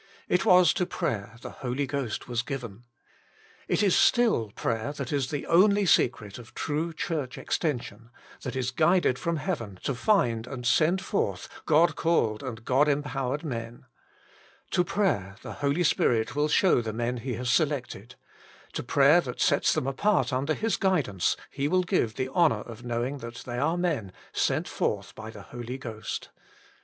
It was to prayer the Holy Ghost was given. It is still prayer that is the only secret of true Church extension, that is guided from heaven to find and send forth God called and God empowered men. To prayer the Holy Spirit will show the men He has selected ; to prayer that sets them apart under His guidance He will give the honour of knowing that they are men, " sent forth by the Holy Ghost."